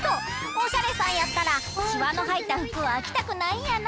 おしゃれさんやったらシワのはいったふくはきたくないんやな。